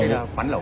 lẩu sau khi